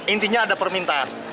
intinya ada permintaan